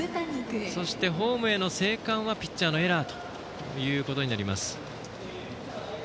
そしてホームへの生還はピッチャーのエラーになります。